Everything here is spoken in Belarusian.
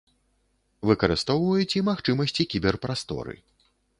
Выкарыстоўваюць і магчымасці кібер-прасторы.